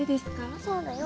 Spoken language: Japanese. そうだよ。